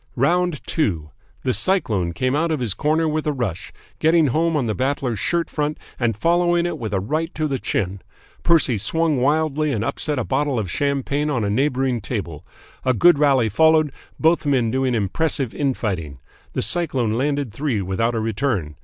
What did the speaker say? "ROUND TWO "The Cyclone came out of his corner with a rush, getting home on the Battler's shirt front and following it up with a right to the chin. Percy swung wildly and upset a bottle of champagne on a neighbouring table. A good rally followed, both men doing impressive in fighting. The Cyclone landed three without a return.